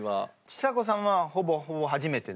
ちさ子さんはほぼほぼ初めて。